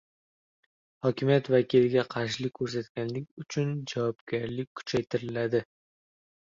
Hokimiyat vakiliga qarshilik ko‘rsatganlik uchun javobgarlik kuchaytiriladi